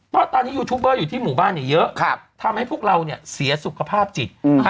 เพราะตอนนี้ยูทูปเปอร์อยู่ที่หมู่บ้านเนี่ยเยอะครับทำให้พวกเราเนี่ยเสียสุขภาพจิตอืม